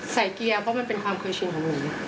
เกียร์เพราะมันเป็นความเคยชินของหนู